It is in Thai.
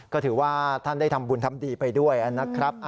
ก็ถือว่าท่านได้ทำบุญทำดีไปด้วยนะครับ